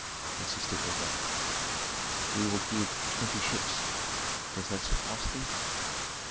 insisted Dagon. "We will give twenty ships. Does that suffice thee?"